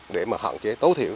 để mà hạn chế tối thiểu